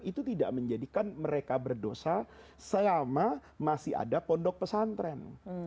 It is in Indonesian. itu tidak menjadikan mereka berdosa selama masih ada pondok pesantren